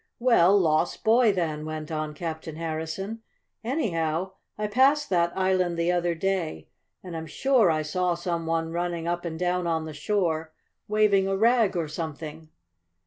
"Well, lost boy, then," went on Captain Harrison. "Anyhow, I passed that island the other day, and I'm sure I saw some one running up and down on the shore, waving a rag or something."